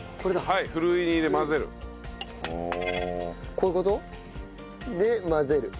こういう事？で混ぜる。